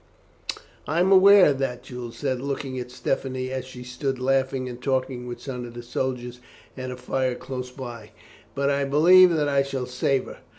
"I am aware of that," Jules said, looking at Stephanie as she stood laughing and talking with some of the soldiers at a fire close by; "but I believe that I shall save her.